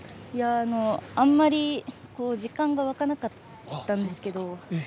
あんまり実感が湧かなかったんですけど。